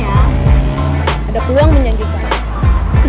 sebetulnya ada peluang menyanyikan